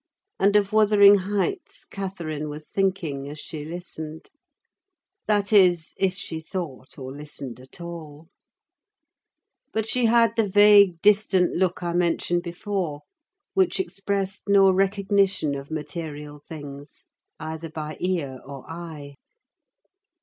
And of Wuthering Heights Catherine was thinking as she listened: that is, if she thought or listened at all; but she had the vague, distant look I mentioned before, which expressed no recognition of material things either by ear or eye.